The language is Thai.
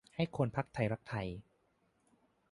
ให้พรรคไทยรักไทย